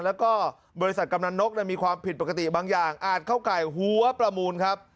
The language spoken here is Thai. แล้วก็บริษัทกำนันนกมีความผิดปกติบางอย่างอาจเข้าไก่หัวประมูลครับ